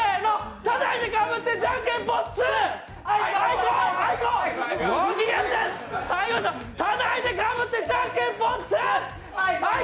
たたいてかぶってじゃんけんぽん２